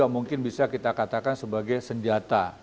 mungkin bisa kita katakan sebagai senjata